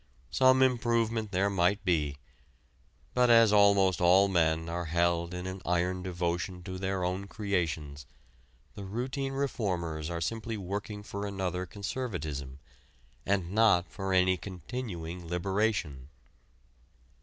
Some improvement there might be, but as almost all men are held in an iron devotion to their own creations, the routine reformers are simply working for another conservatism, and not for any continuing liberation.